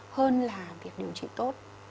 hơn là việc điều trị tốt